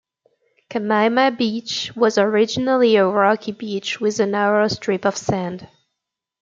Kaimana Beach was originally a rocky beach with a narrow strip of sand.